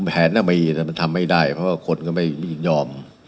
แผนน่ะมีันจงทำให้ได้เพราะคนก็ไม่ยอม